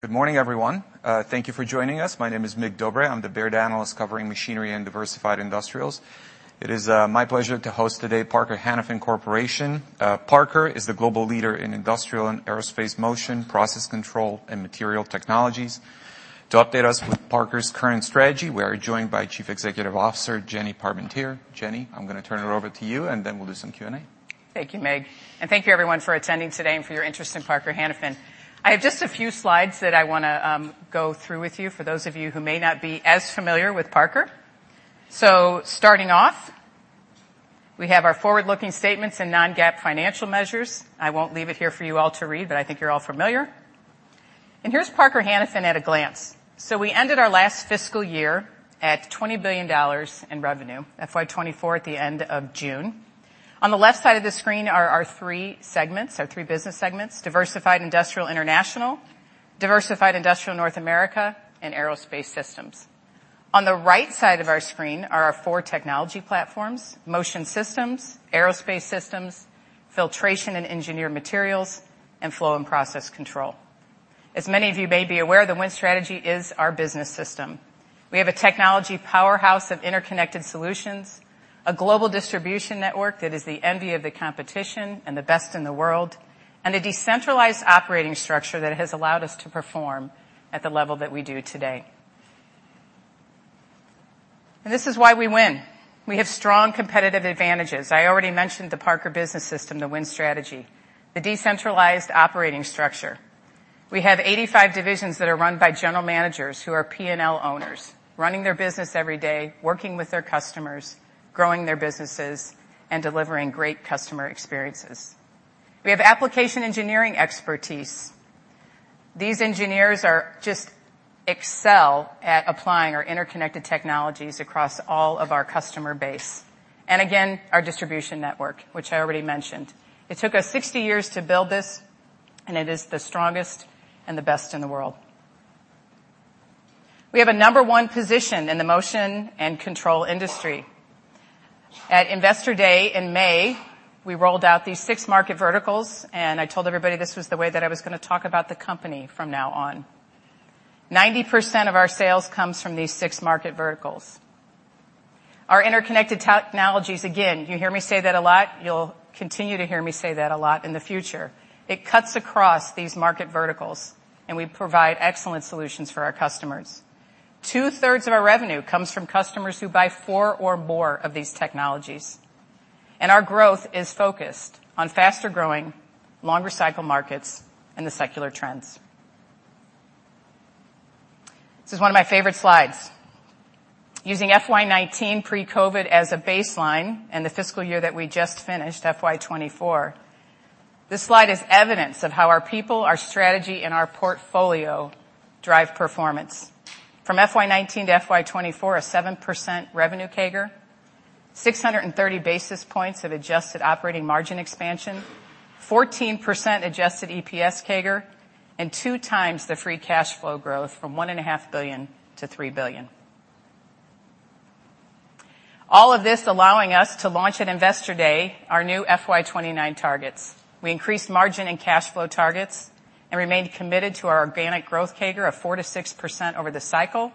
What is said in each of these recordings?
Good morning, everyone. Thank you for joining us. My name is Mick Dobre. I'm the Baird analyst covering machinery and diversified industrials. It is my pleasure to host today Parker-Hannifin Corporation. Parker is the global leader in industrial and aerospace motion, process control, and material technologies. To update us with Parker's current strategy, we are joined by Chief Executive Officer Jenny Parmentier. Jenny, I'm going to turn it over to you, and then we'll do some Q&A. Thank you, Mick. And thank you, everyone, for attending today and for your interest in Parker-Hannifin. I have just a few slides that I want to go through with you for those of you who may not be as familiar with Parker, so starting off, we have our forward-looking statements and non-GAAP financial measures. I won't leave it here for you all to read, but I think you're all familiar. And here's Parker-Hannifin at a glance, so we ended our last fiscal year at $20 billion in revenue, FY24, at the end of June. On the left side of the screen are our three segments, our three business segments: Diversified Industrial International, Diversified Industrial North America, and Aerospace Systems. On the right side of our screen are our four technology platforms: Motion Systems, Aerospace Systems, Filtration and Engineered Materials, and Flow and Process Control. As many of you may be aware, the Win Strategy is our business system. We have a technology powerhouse of interconnected solutions, a global distribution network that is the envy of the competition and the best in the world, and a decentralized operating structure that has allowed us to perform at the level that we do today. And this is why we win. We have strong competitive advantages. I already mentioned the Parker business system, the Win Strategy, the decentralized operating structure. We have 85 divisions that are run by general managers who are P&L owners, running their business every day, working with their customers, growing their businesses, and delivering great customer experiences. We have application engineering expertise. These engineers just excel at applying our interconnected technologies across all of our customer base. And again, our distribution network, which I already mentioned. It took us 60 years to build this, and it is the strongest and the best in the world. We have a number one position in the motion and control industry. At Investor Day in May, we rolled out these six market verticals, and I told everybody this was the way that I was going to talk about the company from now on. 90% of our sales comes from these six market verticals. Our interconnected technologies, again, you hear me say that a lot. You'll continue to hear me say that a lot in the future. It cuts across these market verticals, and we provide excellent solutions for our customers. Two-thirds of our revenue comes from customers who buy four or more of these technologies, and our growth is focused on faster-growing, longer-cycle markets and the secular trends. This is one of my favorite slides. Using FY19 pre-COVID as a baseline and the fiscal year that we just finished, FY24, this slide is evidence of how our people, our strategy, and our portfolio drive performance. From FY19 to FY24, a 7% revenue CAGR, 630 basis points of Adjusted operating margin expansion, 14% Adjusted EPS CAGR, and two times the free cash flow growth from $1.5 billion to $3 billion. All of this allowing us to launch at Investor Day our new FY29 targets. We increased margin and cash flow targets and remained committed to our organic growth CAGR of 4% to 6% over the cycle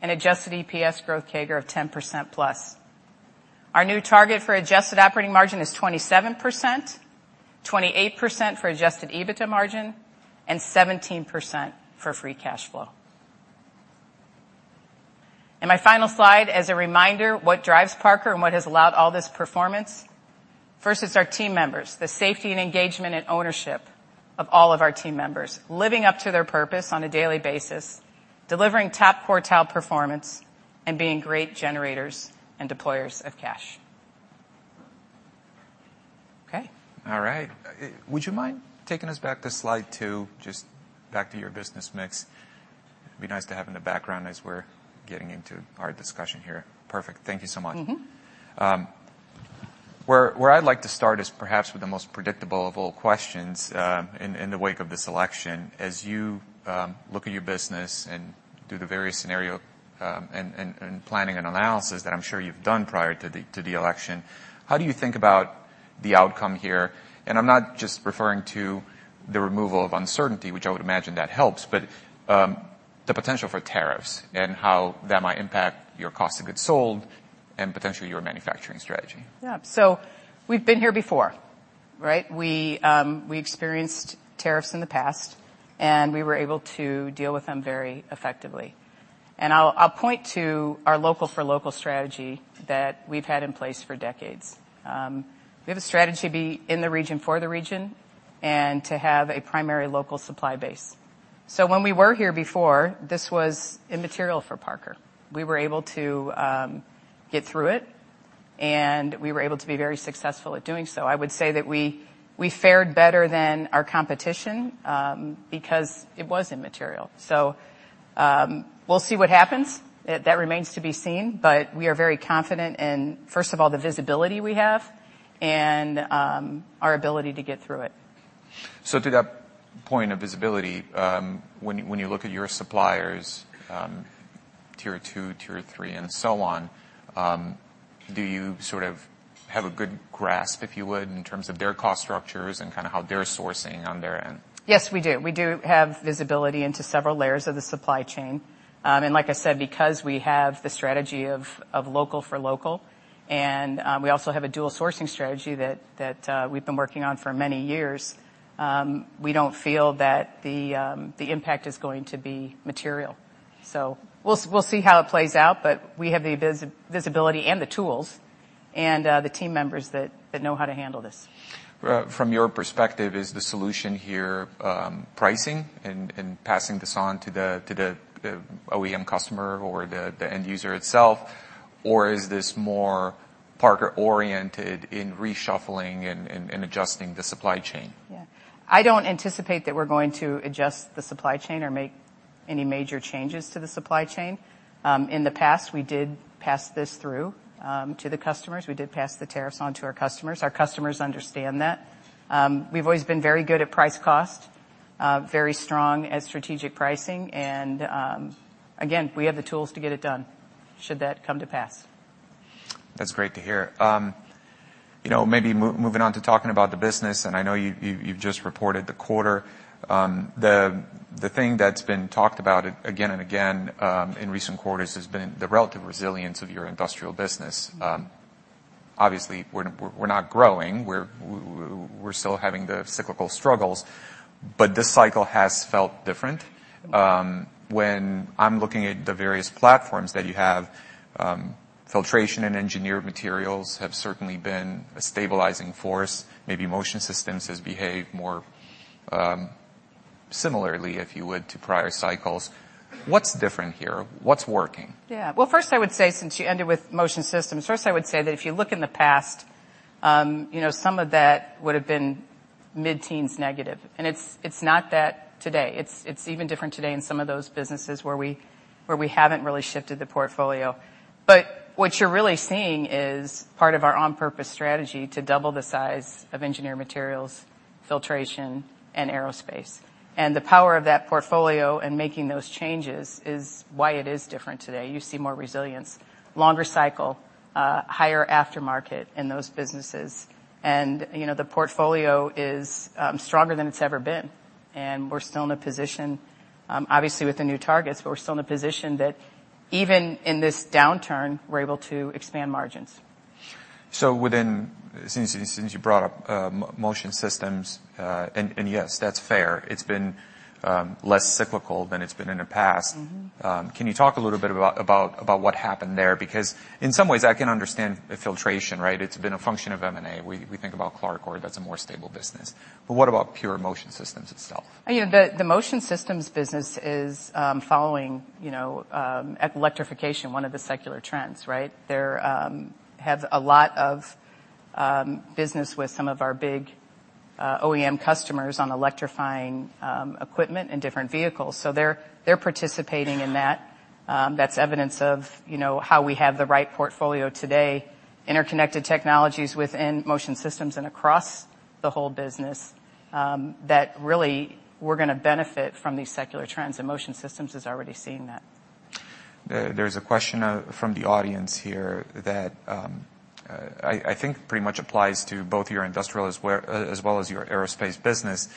and Adjusted EPS growth CAGR of 10%+. Our new target for Adjusted operating margin is 27%, 28% for Adjusted EBITDA margin, and 17% for free cash flow. And my final slide, as a reminder, what drives Parker and what has allowed all this performance? First, it's our team members, the safety and engagement and ownership of all of our team members, living up to their purpose on a daily basis, delivering top quartile performance, and being great generators and deployers of cash. Okay. All right. Would you mind taking us back to slide two, just back to your business mix? It'd be nice to have in the background as we're getting into our discussion here. Perfect. Thank you so much. Where I'd like to start is perhaps with the most predictable of all questions in the wake of this election. As you look at your business and do the various scenario and planning and analysis that I'm sure you've done prior to the election, how do you think about the outcome here? And I'm not just referring to the removal of uncertainty, which I would imagine that helps, but the potential for tariffs and how that might impact your cost of goods sold and potentially your manufacturing strategy. Yeah, so we've been here before, right? We experienced tariffs in the past, and we were able to deal with them very effectively, and I'll point to our local-for-local strategy that we've had in place for decades. We have a strategy to be in the region for the region and to have a primary local supply base, so when we were here before, this was immaterial for Parker. We were able to get through it, and we were able to be very successful at doing so. I would say that we fared better than our competition because it was immaterial, so we'll see what happens. That remains to be seen, but we are very confident in, first of all, the visibility we have and our ability to get through it. So to that point of visibility, when you look at your suppliers, tier two, tier three, and so on, do you sort of have a good grasp, if you would, in terms of their cost structures and kind of how they're sourcing on their end? Yes, we do. We do have visibility into several layers of the supply chain, and like I said, because we have the strategy of local-for-local and we also have a dual sourcing strategy that we've been working on for many years, we don't feel that the impact is going to be material, so we'll see how it plays out, but we have the visibility and the tools and the team members that know how to handle this. From your perspective, is the solution here pricing and passing this on to the OEM customer or the end user itself, or is this more Parker-oriented in reshuffling and adjusting the supply chain? Yeah. I don't anticipate that we're going to adjust the supply chain or make any major changes to the supply chain. In the past, we did pass this through to the customers. We did pass the tariffs on to our customers. Our customers understand that. We've always been very good at price-cost, very strong at strategic pricing. And again, we have the tools to get it done should that come to pass. That's great to hear. Maybe moving on to talking about the business, and I know you've just reported the quarter. The thing that's been talked about again and again in recent quarters has been the relative resilience of your industrial business. Obviously, we're not growing. We're still having the cyclical struggles. But this cycle has felt different. When I'm looking at the various platforms that you have, Filtration and Engineered Materials have certainly been a stabilizing force. Maybe Motion Systems have behaved more similarly, if you would, to prior cycles. What's different here? What's working? Yeah. Well, first, I would say, since you ended with Motion Systems, first, I would say that if you look in the past, some of that would have been mid-teens negative. And it's not that today. It's even different today in some of those businesses where we haven't really shifted the portfolio. But what you're really seeing is part of our on-purpose strategy to double the size of Engineered Materials, Filtration, and Aerospace. And the power of that portfolio and making those changes is why it is different today. You see more resilience, longer cycle, higher aftermarket in those businesses. And the portfolio is stronger than it's ever been. And we're still in a position, obviously, with the new targets, but we're still in a position that even in this downturn, we're able to expand margins. So since you brought up motion systems, and yes, that's fair, it's been less cyclical than it's been in the past. Can you talk a little bit about what happened there? Because in some ways, I can understand filtration, right? It's been a function of M&A. We think about CLARCOR. That's a more stable business. But what about pure motion systems itself? The Motion Systems business is following electrification, one of the secular trends, right? They have a lot of business with some of our big OEM customers on electrifying equipment and different vehicles. So they're participating in that. That's evidence of how we have the right portfolio today, interconnected technologies within Motion Systems and across the whole business that really we're going to benefit from these secular trends. And Motion Systems is already seeing that. There's a question from the audience here that I think pretty much applies to both your industrial as well as your aerospace business,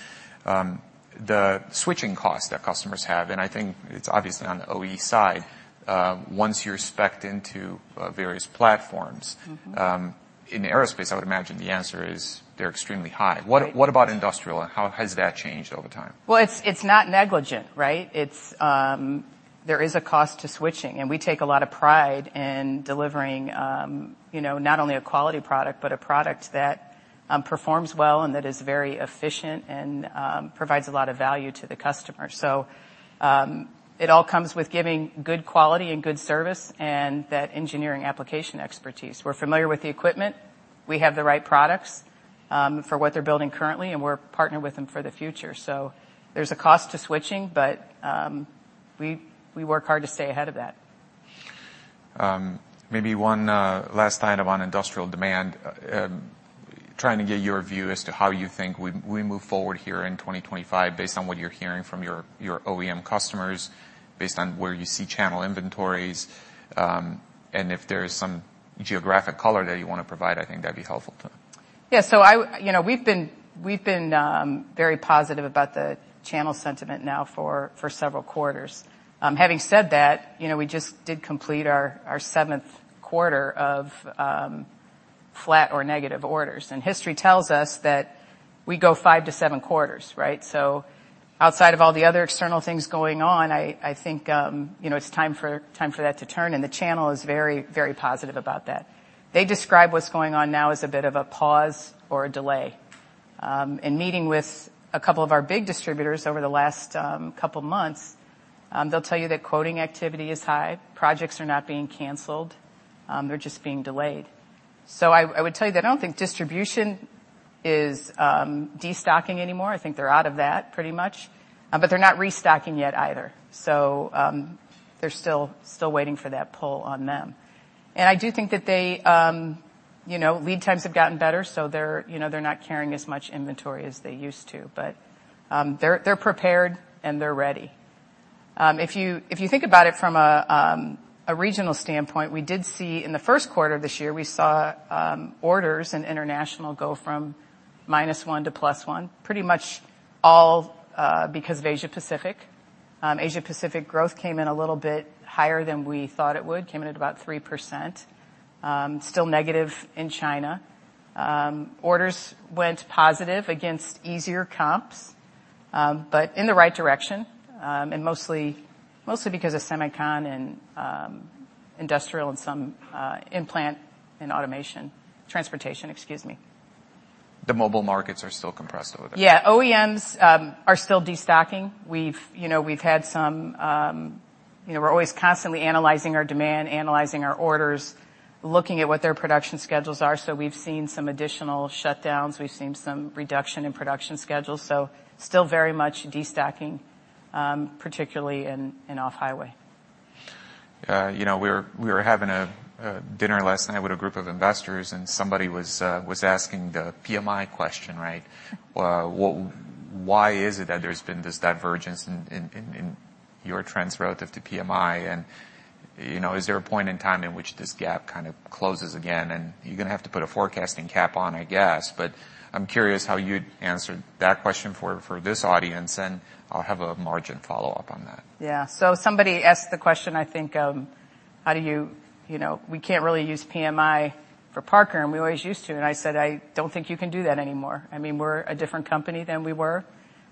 the switching costs that customers have, and I think it's obviously on the OE side. Once you're specked into various platforms in aerospace, I would imagine the answer is they're extremely high. What about industrial? How has that changed over time? Well, it's not negligent, right? There is a cost to switching. And we take a lot of pride in delivering not only a quality product, but a product that performs well and that is very efficient and provides a lot of value to the customer. So it all comes with giving good quality and good service and that engineering application expertise. We're familiar with the equipment. We have the right products for what they're building currently, and we're partnering with them for the future. So there's a cost to switching, but we work hard to stay ahead of that. Maybe one last item on industrial demand, trying to get your view as to how you think we move forward here in 2025 based on what you're hearing from your OEM customers, based on where you see channel inventories, and if there's some geographic color that you want to provide. I think that'd be helpful too. Yeah. So we've been very positive about the channel sentiment now for several quarters. Having said that, we just did complete our seventh quarter of flat or negative orders. And history tells us that we go five to seven quarters, right? So outside of all the other external things going on, I think it's time for that to turn. And the channel is very, very positive about that. They describe what's going on now as a bit of a pause or a delay. In meeting with a couple of our big distributors over the last couple of months, they'll tell you that quoting activity is high, projects are not being canceled, they're just being delayed. So I would tell you that I don't think distribution is destocking anymore. I think they're out of that pretty much. But they're not restocking yet either. So they're still waiting for that pull on them. And I do think that lead times have gotten better, so they're not carrying as much inventory as they used to. But they're prepared and they're ready. If you think about it from a regional standpoint, we did see in the first quarter of this year, we saw orders in international go from -1% to +1%, pretty much all because of Asia-Pacific. Asia-Pacific growth came in a little bit higher than we thought it would, came in at about 3%, still negative in China. Orders went positive against easier comps, but in the right direction, and mostly because of Semicon and industrial and some in-plant and automation, transportation, excuse me. The mobile markets are still compressed over there. Yeah. OEMs are still destocking. We've had some, we're always constantly analyzing our demand, analyzing our orders, looking at what their production schedules are. So we've seen some additional shutdowns. We've seen some reduction in production schedules. So still very much destocking, particularly in off-highway. We were having a dinner last night with a group of investors, and somebody was asking the PMI question, right? Why is it that there's been this divergence in your trends relative to PMI? And is there a point in time in which this gap kind of closes again? And you're going to have to put a forecasting cap on, I guess. But I'm curious how you'd answer that question for this audience, and I'll have a margin follow-up on that. Yeah. So somebody asked the question, I think, we can't really use PMI for Parker, and we always used to, and I said, I don't think you can do that anymore. I mean, we're a different company than we were.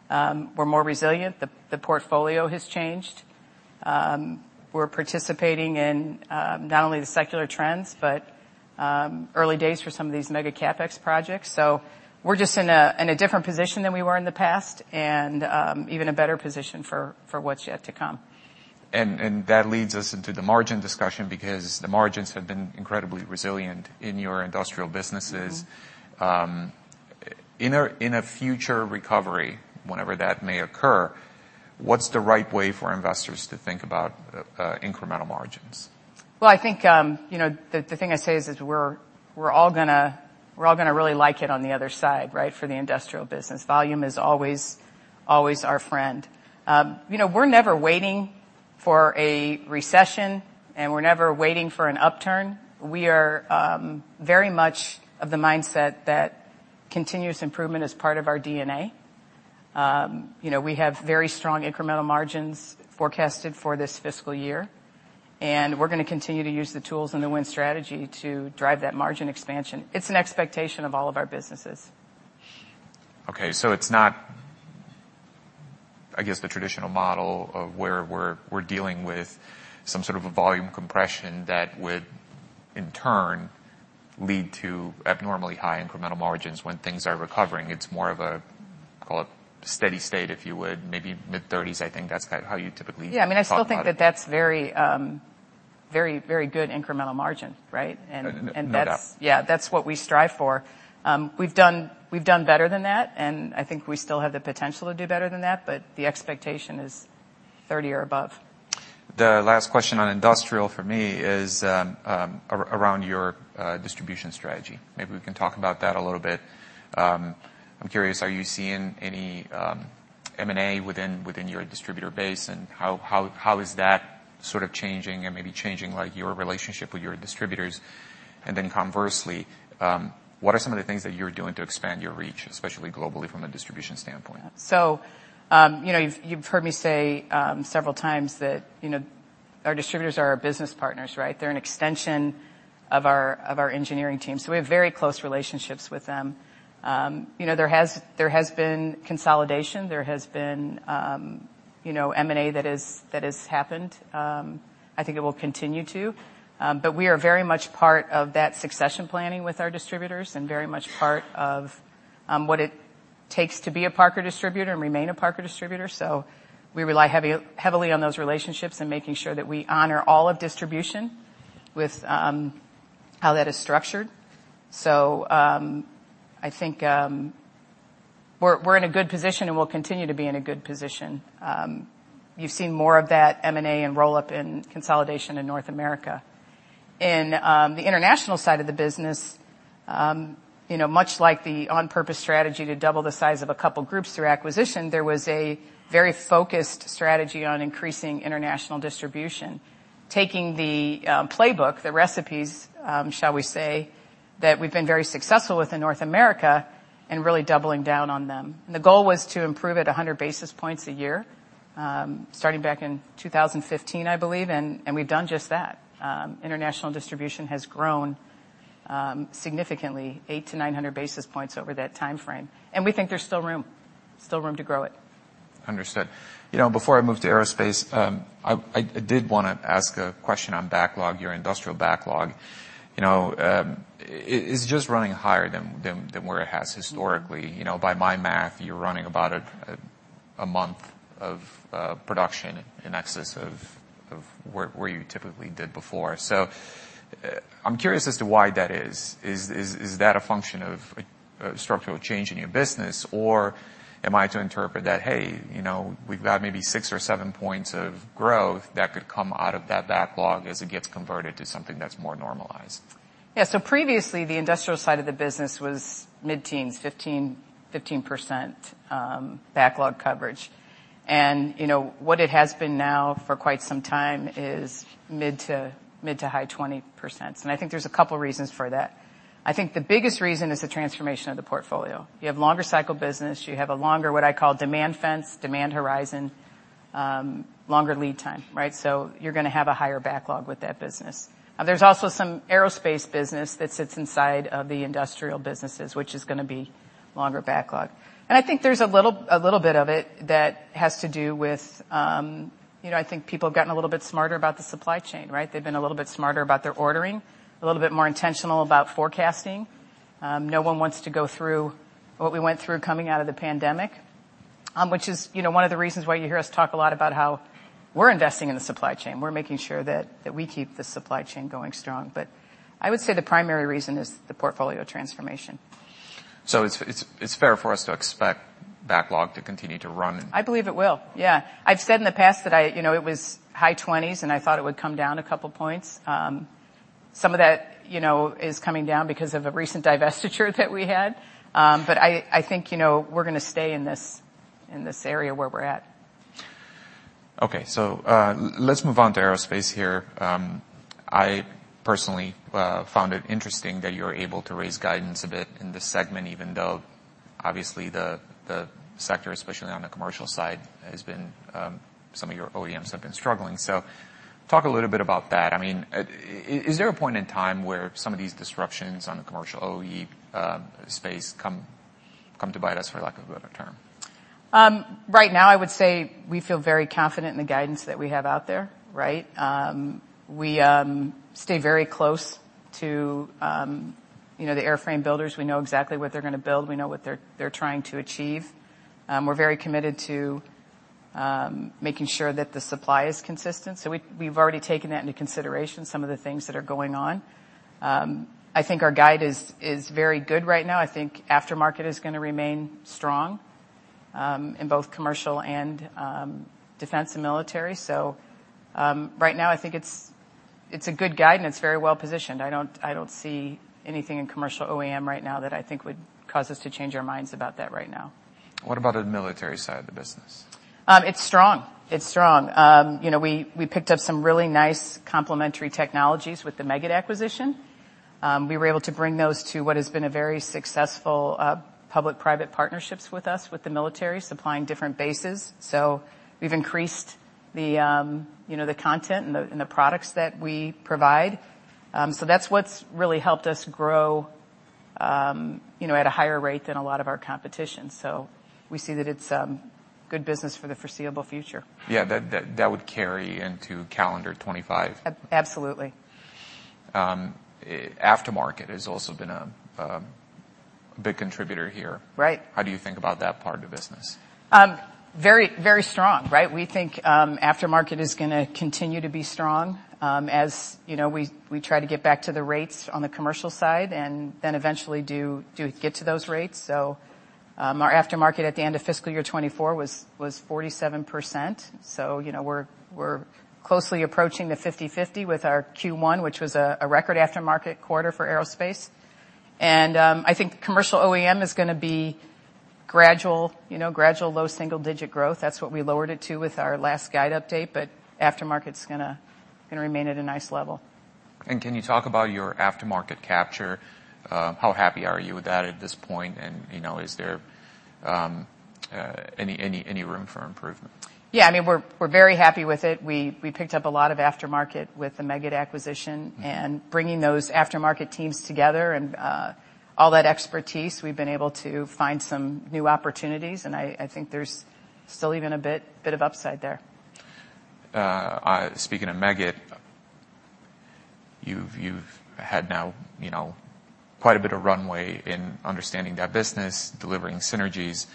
We're more resilient. The portfolio has changed. We're participating in not only the secular trends, but early days for some of these mega CapEx projects, so we're just in a different position than we were in the past and even a better position for what's yet to come. And that leads us into the margin discussion because the margins have been incredibly resilient in your industrial businesses. In a future recovery, whenever that may occur, what's the right way for investors to think about incremental margins? I think the thing I say is we're all going to really like it on the other side, right, for the industrial business. Volume is always our friend. We're never waiting for a recession, and we're never waiting for an upturn. We are very much of the mindset that continuous improvement is part of our DNA. We have very strong incremental margins forecasted for this fiscal year. We're going to continue to use the tools and the win strategy to drive that margin expansion. It's an expectation of all of our businesses. Okay. So it's not, I guess, the traditional model of where we're dealing with some sort of volume compression that would, in turn, lead to abnormally high incremental margins when things are recovering. It's more of a, call it, steady state, if you would, maybe mid-30s. I think that's kind of how you typically think of it. Yeah. I mean, I still think that that's very, very good incremental margin, right? No doubt. That's what we strive for. We've done better than that, and I think we still have the potential to do better than that. The expectation is 30 or above. The last question on industrial for me is around your distribution strategy. Maybe we can talk about that a little bit. I'm curious, are you seeing any M&A within your distributor base? And how is that sort of changing and maybe changing your relationship with your distributors? And then conversely, what are some of the things that you're doing to expand your reach, especially globally from a distribution standpoint? So you've heard me say several times that our distributors are our business partners, right? They're an extension of our engineering team. So we have very close relationships with them. There has been consolidation. There has been M&A that has happened. I think it will continue to. But we are very much part of that succession planning with our distributors and very much part of what it takes to be a Parker distributor and remain a Parker distributor. So we rely heavily on those relationships and making sure that we honor all of distribution with how that is structured. So I think we're in a good position, and we'll continue to be in a good position. You've seen more of that M&A and roll-up in consolidation in North America. In the international side of the business, much like the on-purpose strategy to double the size of a couple of groups through acquisition, there was a very focused strategy on increasing international distribution, taking the playbook, the recipes, shall we say, that we've been very successful with in North America and really doubling down on them. And the goal was to improve at 100 basis points a year, starting back in 2015, I believe. And we've done just that. International distribution has grown significantly, 800 basis points to 900 basis points over that time frame. And we think there's still room to grow it. Understood. Before I move to aerospace, I did want to ask a question on backlog, your industrial backlog. It's just running higher than where it has historically. By my math, you're running about a month of production in excess of where you typically did before. So I'm curious as to why that is. Is that a function of a structural change in your business? Or am I to interpret that, hey, we've got maybe six or seven points of growth that could come out of that backlog as it gets converted to something that's more normalized? Yeah. So previously, the industrial side of the business was mid-teens, 15% backlog coverage. And what it has been now for quite some time is mid- to high-20%. And I think there's a couple of reasons for that. I think the biggest reason is the transformation of the portfolio. You have longer cycle business. You have a longer, what I call, demand fence, demand horizon, longer lead time, right? So you're going to have a higher backlog with that business. There's also some aerospace business that sits inside of the industrial businesses, which is going to be longer backlog. And I think there's a little bit of it that has to do with I think people have gotten a little bit smarter about the supply chain, right? They've been a little bit smarter about their ordering, a little bit more intentional about forecasting. No one wants to go through what we went through coming out of the pandemic, which is one of the reasons why you hear us talk a lot about how we're investing in the supply chain. We're making sure that we keep the supply chain going strong. But I would say the primary reason is the portfolio transformation. So it's fair for us to expect backlog to continue to run? I believe it will. Yeah. I've said in the past that it was high 20s, and I thought it would come down a couple of points. Some of that is coming down because of a recent divestiture that we had. But I think we're going to stay in this area where we're at. Okay. So let's move on to aerospace here. I personally found it interesting that you were able to raise guidance a bit in this segment, even though obviously the sector, especially on the commercial side, has been some of your OEMs have been struggling. So talk a little bit about that. I mean, is there a point in time where some of these disruptions on the commercial OE space come to bite us, for lack of a better term? Right now, I would say we feel very confident in the guidance that we have out there, right? We stay very close to the airframe builders. We know exactly what they're going to build. We know what they're trying to achieve. We're very committed to making sure that the supply is consistent. So we've already taken that into consideration, some of the things that are going on. I think our guide is very good right now. I think aftermarket is going to remain strong in both commercial and defense and military. So right now, I think it's a good guide, and it's very well positioned. I don't see anything in commercial OEM right now that I think would cause us to change our minds about that right now. What about on the military side of the business? It's strong. It's strong. We picked up some really nice complementary technologies with the Meggitt acquisition. We were able to bring those to what has been a very successful public-private partnership with us, with the military, supplying different bases. So we've increased the content and the products that we provide. So that's what's really helped us grow at a higher rate than a lot of our competition. So we see that it's good business for the foreseeable future. Yeah. That would carry into calendar 2025. Absolutely. Aftermarket has also been a big contributor here. Right. How do you think about that part of the business? Very strong, right? We think aftermarket is going to continue to be strong as we try to get back to the rates on the commercial side and then eventually get to those rates, so our aftermarket at the end of fiscal year 2024 was 47%, so we're closely approaching the 50/50 with our Q1, which was a record aftermarket quarter for aerospace, and I think commercial OEM is going to be gradual, low single-digit growth. That's what we lowered it to with our last guide update, but aftermarket's going to remain at a nice level. And can you talk about your aftermarket capture? How happy are you with that at this point? And is there any room for improvement? Yeah. I mean, we're very happy with it. We picked up a lot of aftermarket with the Meggitt acquisition and bringing those aftermarket teams together and all that expertise. We've been able to find some new opportunities. And I think there's still even a bit of upside there. Speaking of Meggitt, you've had now quite a bit of runway in understanding that business, delivering synergies.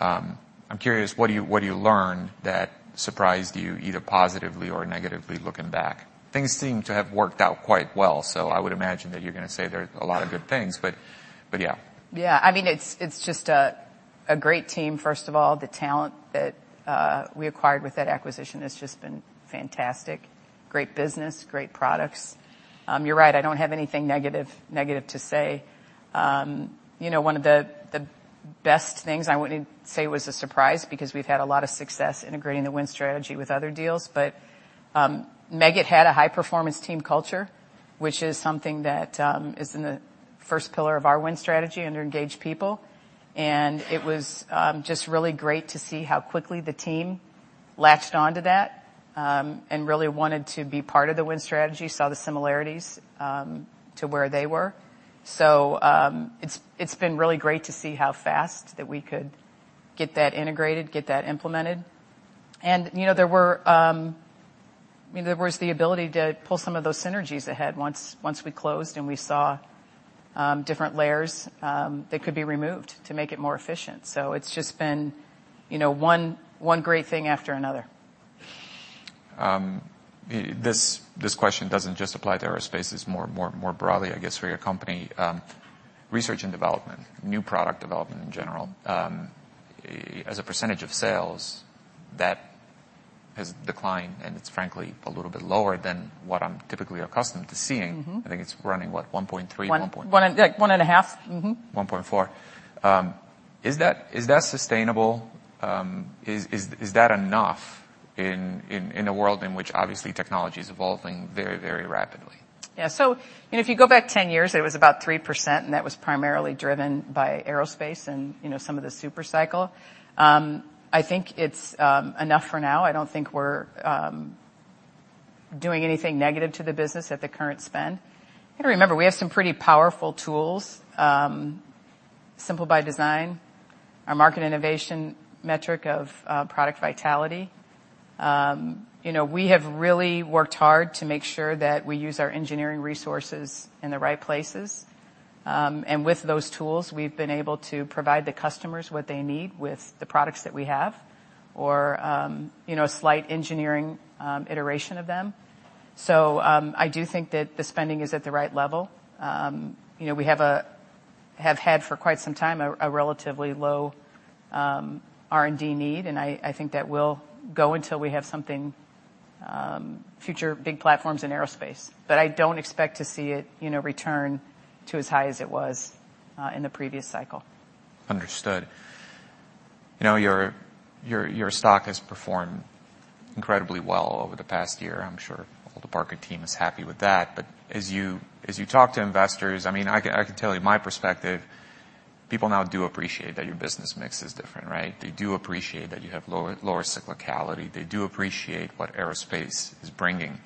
I'm curious, what do you learn that surprised you either positively or negatively looking back? Things seem to have worked out quite well. So I would imagine that you're going to say there's a lot of good things. But yeah. Yeah. I mean, it's just a great team, first of all. The talent that we acquired with that acquisition has just been fantastic. Great business, great products. You're right. I don't have anything negative to say. One of the best things I wouldn't say was a surprise because we've had a lot of success integrating the Win Strategy with other deals. But Meggitt had a high-performance team culture, which is something that is in the first pillar of our Win Strategy under engaged people. And it was just really great to see how quickly the team latched on to that and really wanted to be part of the Win Strategy, saw the similarities to where they were. So it's been really great to see how fast that we could get that integrated, get that implemented. And there was the ability to pull some of those synergies ahead once we closed and we saw different layers that could be removed to make it more efficient. So it's just been one great thing after another. This question doesn't just apply to aerospace. It's more broadly, I guess, for your company. Research and development, new product development in general, as a percentage of sales, that has declined. And it's frankly a little bit lower than what I'm typically accustomed to seeing. I think it's running what, 1.3%? 1%. 1%. Like 1.5%. Is that sustainable? Is that enough in a world in which obviously technology is evolving very, very rapidly? Yeah. So if you go back 10 years, it was about 3%. And that was primarily driven by aerospace and some of the supercycle. I think it's enough for now. I don't think we're doing anything negative to the business at the current spend. I remember we have some pretty powerful tools, Simple by Design, our market innovation metric of Product Vitality. We have really worked hard to make sure that we use our engineering resources in the right places. And with those tools, we've been able to provide the customers what they need with the products that we have or a slight engineering iteration of them. So I do think that the spending is at the right level. We have had for quite some time a relatively low R&D need. And I think that will go until we have something, future big platforms in aerospace. But I don't expect to see it return to as high as it was in the previous cycle. Understood. Your stock has performed incredibly well over the past year. I'm sure all the Parker team is happy with that. But as you talk to investors, I mean, I can tell you my perspective, people now do appreciate that your business mix is different, right? They do appreciate that you have lower cyclicality. They do appreciate what aerospace is bringing.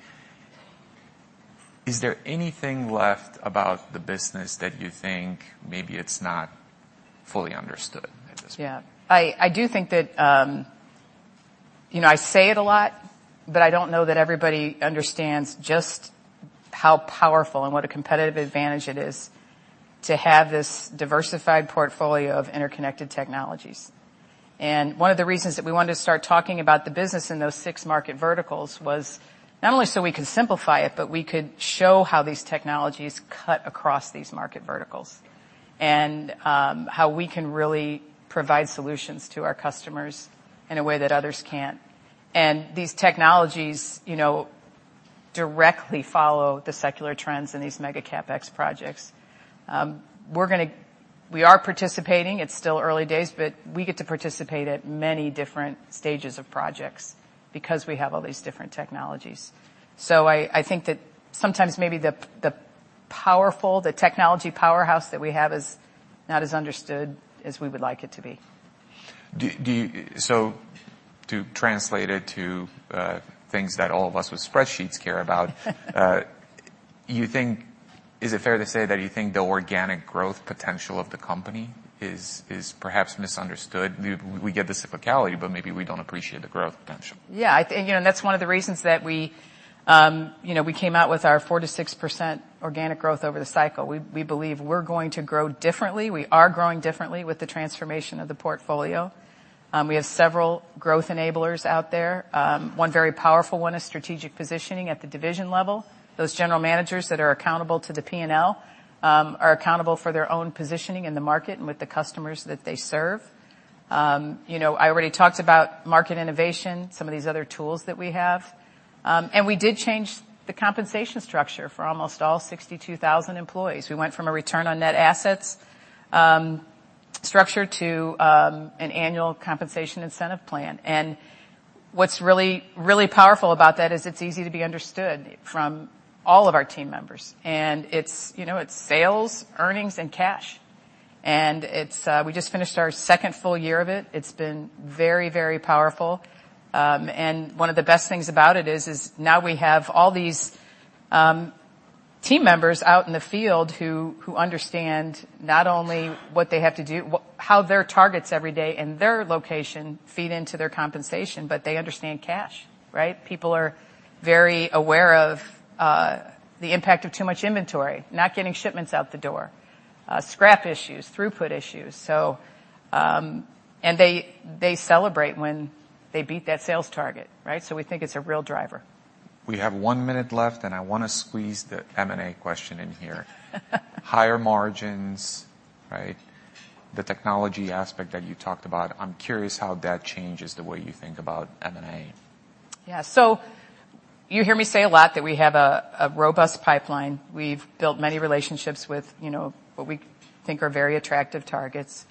Is there anything left about the business that you think maybe it's not fully understood at this point? Yeah. I do think that I say it a lot, but I don't know that everybody understands just how powerful and what a competitive advantage it is to have this diversified portfolio of interconnected technologies. And one of the reasons that we wanted to start talking about the business in those six market verticals was not only so we could simplify it, but we could show how these technologies cut across these market verticals and how we can really provide solutions to our customers in a way that others can't. And these technologies directly follow the secular trends in these mega CapEx projects. We are participating. It's still early days, but we get to participate at many different stages of projects because we have all these different technologies. So I think that sometimes maybe the powerful, the technology powerhouse that we have is not as understood as we would like it to be. So to translate it to things that all of us with spreadsheets care about, is it fair to say that you think the organic growth potential of the company is perhaps misunderstood? We get the cyclicality, but maybe we don't appreciate the growth potential. Yeah. And that's one of the reasons that we came out with our 4%-6% organic growth over the cycle. We believe we're going to grow differently. We are growing differently with the transformation of the portfolio. We have several growth enablers out there. One very powerful one is strategic positioning at the division level. Those general managers that are accountable to the P&L are accountable for their own positioning in the market and with the customers that they serve. I already talked about market innovation, some of these other tools that we have. And we did change the compensation structure for almost all 62,000 employees. We went from a return on net assets structure to an annual compensation incentive plan. And what's really, really powerful about that is it's easy to be understood from all of our team members. And it's sales, earnings, and cash. We just finished our second full year of it. It's been very, very powerful. One of the best things about it is now we have all these team members out in the field who understand not only what they have to do, how their targets every day in their location feed into their compensation, but they understand cash, right? People are very aware of the impact of too much inventory, not getting shipments out the door, scrap issues, throughput issues. They celebrate when they beat that sales target, right? We think it's a real driver. We have one minute left, and I want to squeeze the M&A question in here. Higher margins, right? The technology aspect that you talked about, I'm curious how that changes the way you think about M&A. Yeah. So you hear me say a lot that we have a robust pipeline. We've built many relationships with what we think are very attractive targets.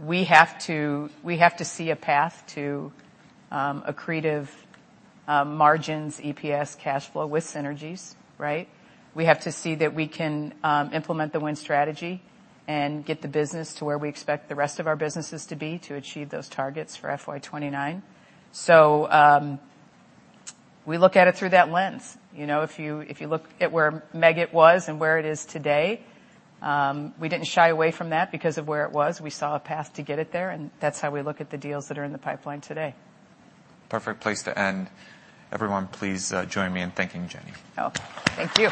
We have to see a path to accretive margins, EPS, cash flow with synergies, right? We have to see that we can implement the win strategy and get the business to where we expect the rest of our businesses to be to achieve those targets for FY29. So we look at it through that lens. If you look at where Meggitt was and where it is today, we didn't shy away from that because of where it was. We saw a path to get it there. And that's how we look at the deals that are in the pipeline today. Perfect place to end. Everyone, please join me in thanking Jenny. Oh, thank you.